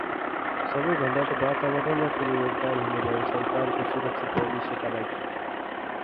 सबैभन्दा त वातावरणमा ठूलो योगदान हुने भयो सन्तानको सुरक्षित भविष्यका लागि ।